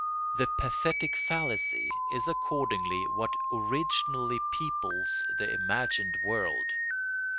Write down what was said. ] The pathetic fallacy is accordingly what originally peoples the imagined world.